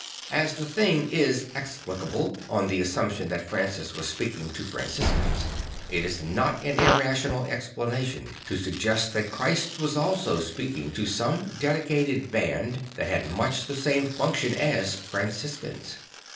As the thing is explica ble on the assumption that Francis was speaking to Franciscans, it is not an irrational explanation to suggest that Christ also was speaking to some dedicated band that had much the same function as Franciscans.